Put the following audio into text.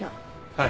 はい。